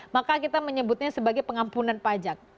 maka kita menyebutnya sebagai pengampunan pajak